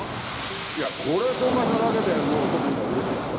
いやこれ紹介しただけでもうちょっと今うれしいでしょ？